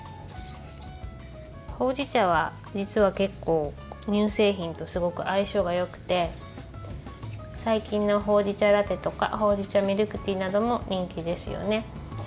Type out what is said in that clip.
ほうじ茶は、実は結構乳製品と相性がよくて最近、ほうじ茶ラテとかほうじ茶ミルクティーなども人気ですよね。